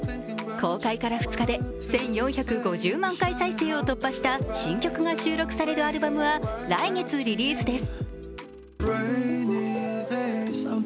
公開から２日で１４５０万回再生を突破した新曲が収録されるアルバムは来月リリースです。